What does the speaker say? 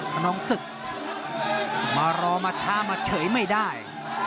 ขนองศึกมารอมาช้ามาเฉยไม่ได้